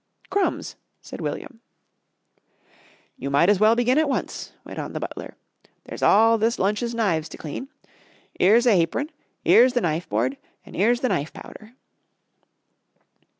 "Crumbs!" said William. "You might has well begin at once," went on the butler, "there's all this lunch's knives to clean. 'Ere's a hapron, 'ere's the knife board an' 'ere's the knife powder."